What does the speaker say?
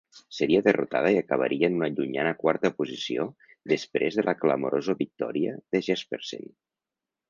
Seria derrotada i acabaria en una llunyana quarta posició després de la clamorosa victòria de Jespersen.